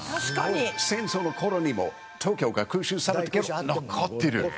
戦争の頃にも東京が空襲されたけど残ってる。